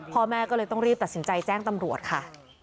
พ่อแม่ก็เลยต้องรีบตัดสินใจแจ้งตำรวจค่ะ